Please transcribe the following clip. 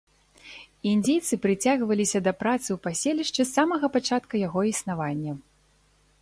Індзейцы прыцягваліся да працы ў паселішчы з самага пачатка яго існавання.